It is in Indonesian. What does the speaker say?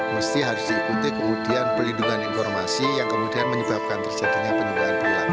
mesti harus diikuti kemudian pelindungan informasi yang kemudian menyebabkan terjadinya penyuluhan perilaku